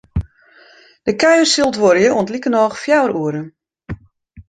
De kuier sil duorje oant likernôch fjouwer oere.